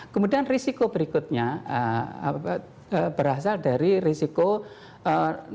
kemudian risiko berikutnya berasal dari risiko